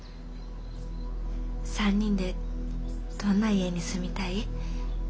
３人でどんな家に住みたい？